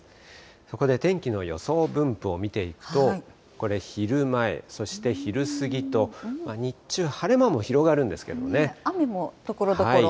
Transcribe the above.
そこで天気の予想分布を見ていくと、これ、昼前、そして昼過ぎと、日中、晴れ間も広がるんですけど雨もところどころ。